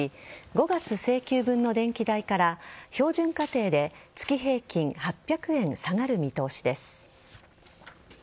５月請求分の電気代から標準家庭で月平均８００円下がる見通しです。